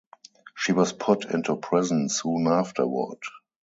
She was put into prison soon afterward.